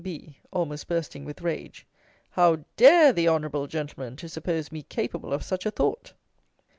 B. (Almost bursting with rage). How dare the honourable gentlemen to suppose me capable of such a thought?